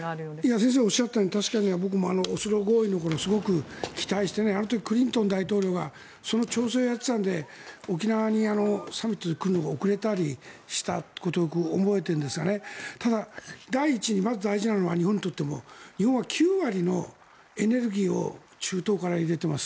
先生がおっしゃったように僕もオスロ合意の頃、すごく期待してあの時、クリントン大統領がその調整をやっていたので沖縄にサミットで来るのが遅れたりしたことを覚えているんですがただ、第一にまず大事なのは日本にとっても日本は９割のエネルギーを中東から入れています。